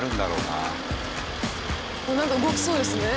なんか動きそうですね。